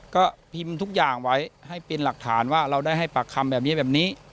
ก็พิมพ์ทุกอย่างไว้ให้เป็นหลักฐานว่าเราได้ให้ปากคำแบบนี้แบบนี้